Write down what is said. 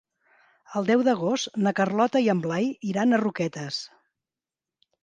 El deu d'agost na Carlota i en Blai iran a Roquetes.